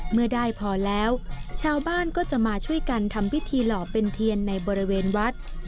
เมื่อได้พอแล้วชาวบ้านก็จะมาช่วยกันทำพิธีหล่อเป็นเทียนในบริเวณวัด